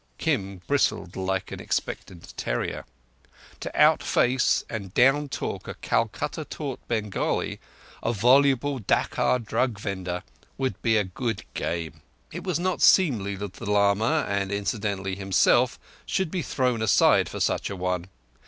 Kim bristled like an expectant terrier. To outface and down talk a Calcutta taught Bengali, a voluble Dacca drug vendor, would be a good game. It was not seemly that the lama, and incidentally himself, should be thrown aside for such an one.